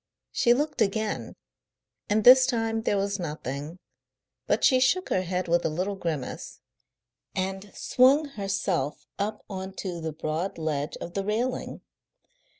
She looked again, and this time there was nothing, but she shook her head with a little grimace, and swung herself up on to the broad ledge of the railing.